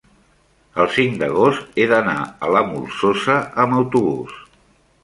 el cinc d'agost he d'anar a la Molsosa amb autobús.